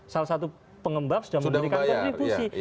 salah satu pengembang sudah memberikan kontribusi